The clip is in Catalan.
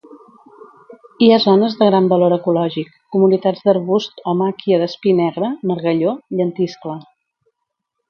Hi ha zones de gran valor ecològic, comunitats d'arbust o màquia d'espí negre, margalló, llentiscle.